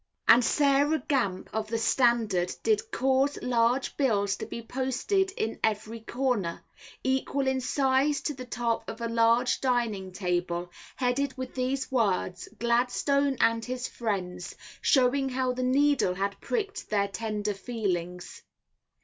And Sarah Gamp of the Standard did cause large bills to be posted in every corner, equal in size to the top of a large dining table, headed with these words, "Gladstone and his Friends," showing how the needle had pricked their tender feelings.